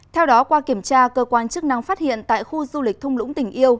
theo đó qua kiểm tra cơ quan chức năng phát hiện tại khu du lịch thung lũng tỉnh yêu